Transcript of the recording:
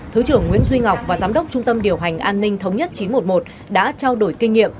thứ trưởng nguyễn duy ngọc và giám đốc trung tâm điều hành an ninh thống nhất chín trăm một mươi một đã trao đổi kinh nghiệm